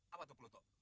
apa tuh pluto